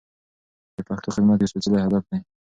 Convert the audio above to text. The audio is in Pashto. د پښتو خدمت یو سپېڅلی هدف دی.